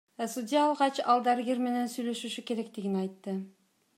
Судья алгач ал дарыгер менен сүйлөшүшү керектигин айтты.